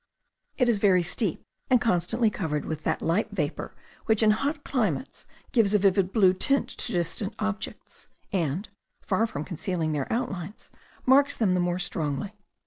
It is very steep, and constantly covered with that light vapour which in hot climates gives a vivid blue tint to distant objects, and, far from concealing their outlines, marks them the more strongly.